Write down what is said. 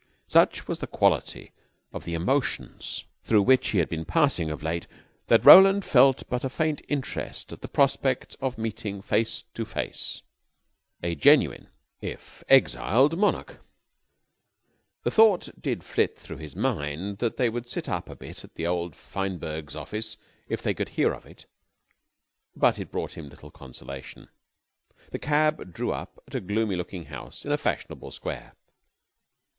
Such was the quality of the emotions through which he had been passing of late, that Roland felt but a faint interest at the prospect of meeting face to face a genuine if exiled monarch. The thought did flit through his mind that they would sit up a bit in old Fineberg's office if they could hear of it, but it brought him little consolation. The cab drew up at a gloomy looking house in a fashionable square.